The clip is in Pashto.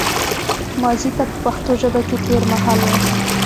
ماضي ته په پښتو ژبه کې تېرمهال وايي